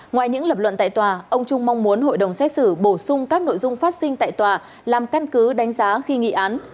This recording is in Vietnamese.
ngoài những lập luận tại tòa ông trung mong muốn hội đồng xét xử bổ sung các nội dung phát sinh tại tòa làm căn cứ đánh giá khi nghị án